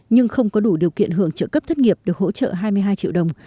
nhưng không có đủ điều kiện hưởng trợ cấp thất nghiệp được hỗ trợ hai mươi hai triệu đồng